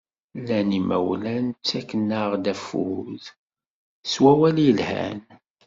Llan imawlan ttaken-aɣ-d affud s wawal yelhan.